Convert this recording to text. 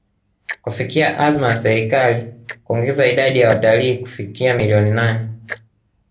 kufikia azma ya Serikali kuongeza idadi ya watalii kufikia milioni nane